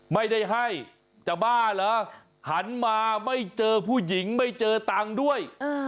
ไม่ได้ให้จะบ้าเหรอหันมาไม่เจอผู้หญิงไม่เจอตังค์ด้วย